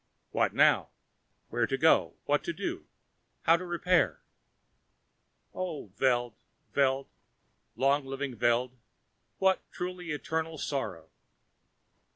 What now? Where to go, what to do, how to repair? Oh, Veld, Veld, long living Veld, what truly eternal sorrow!